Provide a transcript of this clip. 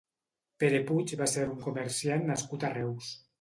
Pere Puig va ser un comerciant nascut a Reus.